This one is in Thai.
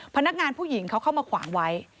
พนักงานผู้หญิงเขาเข้ามาขวางไว้